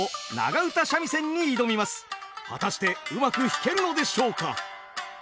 果たしてうまく弾けるのでしょうか。